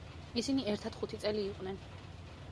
ისინი ერთად ხუთი წელი იყვნენ.